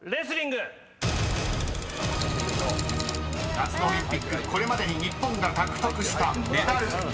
［夏のオリンピックこれまでに日本が獲得したメダル上位］